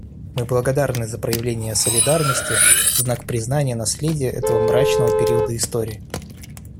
Мы благодарны за проявление солидарности в знак признания наследия этого мрачного периода истории.